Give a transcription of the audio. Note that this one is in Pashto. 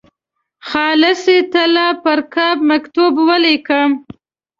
خالصې طلا پر قاب مکتوب ولیکم.